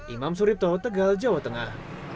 imam suripto tegal jawa tengah